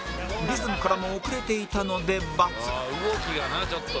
リズムからも遅れていたので×